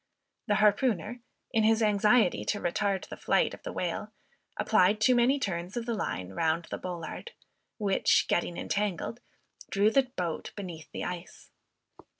The harpooner, in his anxiety to retard the flight of the whale, applied too many turns of the line round the bollard, which, getting entangled, drew the boat beneath the ice.